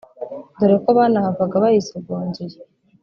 dore ko banahavaga bayisogongeye